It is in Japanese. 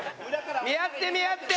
見合って見合って。